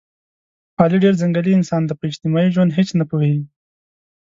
علي ډېر ځنګلي انسان دی، په اجتماعي ژوند هېڅ نه پوهېږي.